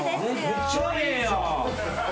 めっちゃええやん。